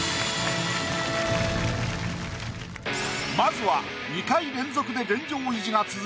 まずは２回連続で現状維持が続く